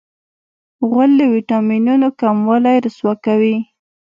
غول د وېټامینونو کموالی رسوا کوي.